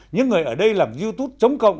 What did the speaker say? những người ở đây làm youtube chống cộng